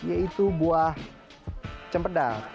yaitu buah cempedal